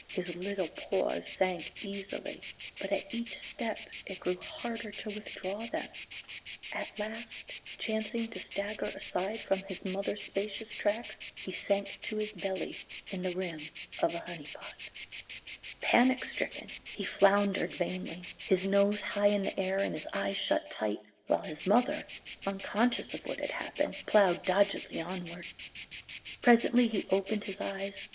His little paws sank easily, but at each step it grew harder to withdraw them. At last, chancing to stagger aside from his mother's spacious tracks, he sank to his belly in the rim of a "honey pot." Panic stricken, he floundered vainly, his nose high in the air and his eyes shut tight, while his mother, unconscious of what had happened, ploughed doggedly onward. Presently he opened his eyes.